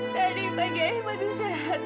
tadi pagi masih sehat